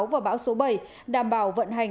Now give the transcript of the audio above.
và bão số bảy đảm bảo vận hành